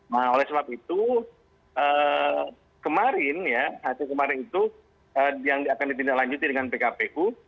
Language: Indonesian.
nah oleh sebab itu kemarin ya hari kemarin itu yang akan ditindaklanjuti dengan pkpu